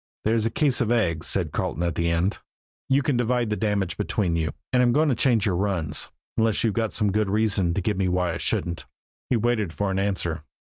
"There's a case of eggs," said Carleton at the end. "You can divide up the damage between you. And I'm going to change your runs, unless you've got some good reason to give me why I shouldn't?" He waited for an answer.